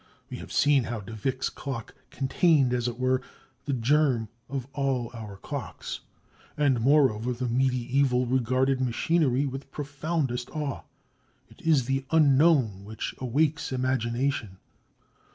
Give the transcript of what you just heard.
We have seen how de Vick's clock contained, as it were, the germ of all our clocks. And, moreover, the medieval regarded machinery with profoundest awe. It is the unknown which awakes imagination.